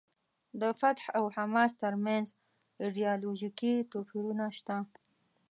د فتح او حماس ترمنځ ایډیالوژیکي توپیرونه شته.